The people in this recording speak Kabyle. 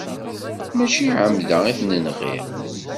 Mačči ɛemda i t-nɣiɣ.